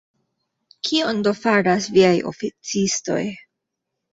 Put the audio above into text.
Kion do faras viaj oficistoj?